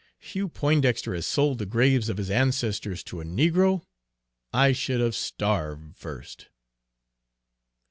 Hugh Poindexter has sold the graves of his ancestors to a negro, I should have starved first!"